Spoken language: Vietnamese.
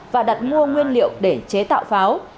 và đặt mua nguyên liệu để chế tạo pháo